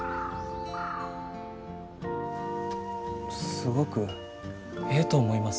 すごくええと思います。